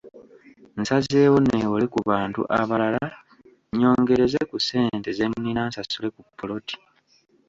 Nsazeewo nneewole ku bantu abalala nyongereze ku ssente ze nnina nsasule ku ppoloti.